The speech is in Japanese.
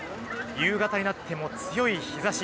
夕方になっても強い日差し。